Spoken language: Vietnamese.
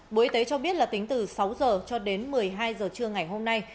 bộ y tế cho biết là tính từ sáu h cho đến một mươi hai giờ trưa ngày hôm nay